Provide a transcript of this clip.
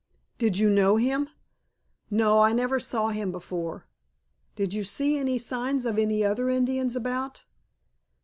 "Did you know him?" "No, I never saw him before." "Did you see any signs of any other Indians about?"